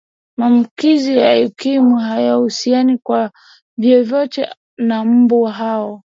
mambukizi ya ukimwi hayahusiani kwa vyovyote na mbu hao